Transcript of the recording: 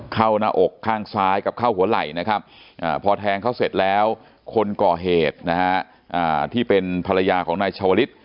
เข้าหน้าอกข้างซ้ายกับเข้าหัวไหล่นะครับพอแทงเขาเสร็จแล้วคนก่อเหตุนะฮะที่เป็นภรรยาของนายชาวลิศ